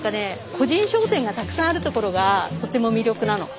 個人商店がたくさんあるところがとても魅力なの。